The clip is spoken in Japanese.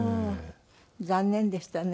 残念でしたね。